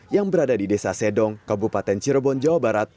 yang berada di desa sedong kabupaten cirebon jawa barat